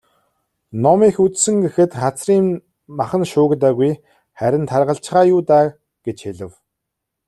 "Ном их үзсэн гэхэд хацрын нь мах шуугдаагүй, харин таргалчихаа юу даа" гэж хэлэв.